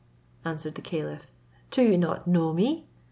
answered the caliph, "do you not know me?